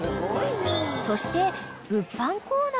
［そして］